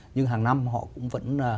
nhưng hàng năm họ cũng vẫn